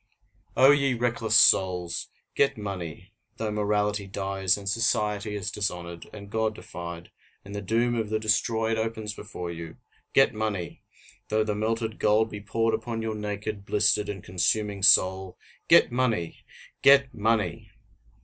O ye reckless souls! get money though morality dies, and society is dishonored, and God defied, and the doom of the destroyed opens before you get money! Though the melted gold be poured upon your naked, blistered, and consuming soul get money! Get money!